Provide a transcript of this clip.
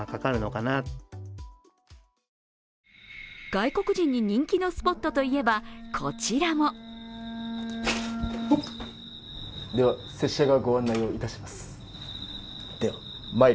外国人に人気のスポットと言えばこちらも拙者がご案内をいたします。